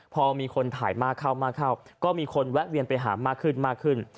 พอมีคนถ่ายมาเข้าก็มีคนแวะเวียนไปหามากขึ้น